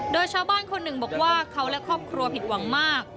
โดยชาวบ้านคนหนึ่งบอกว่าเขาและครอบครัวผิดหวังมาก